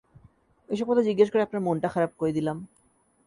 এসব কথা জিজ্ঞেস করে আপনার মনটা খারাপ করে দিলাম।